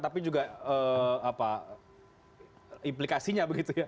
tapi juga implikasinya begitu ya